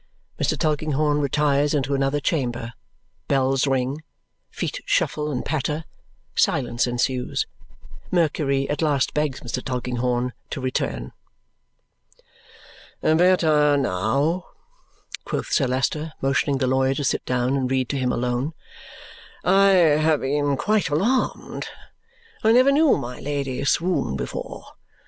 Mr. Tulkinghorn retires into another chamber; bells ring, feet shuffle and patter, silence ensues. Mercury at last begs Mr. Tulkinghorn to return. "Better now," quoth Sir Leicester, motioning the lawyer to sit down and read to him alone. "I have been quite alarmed. I never knew my Lady swoon before.